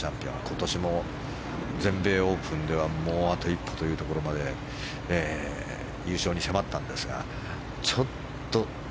今年も全米オープンではあと一歩というところまで優勝に迫ったんですが。